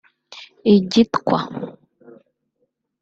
igitwa’